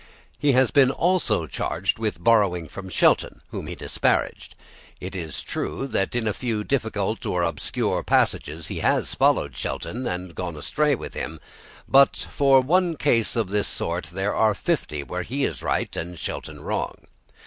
He has been also charged with borrowing from Shelton, whom he disparaged. It is true that in a few difficult or obscure passages he has followed Shelton, and gone astray with him; but for one case of this sort, there are fifty where he is right and Shelton wrong.